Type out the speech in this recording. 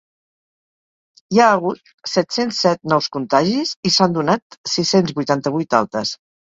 Hi ha hagut set-cents set nous contagis i s’han donat sis-cents vuitanta-vuit altes.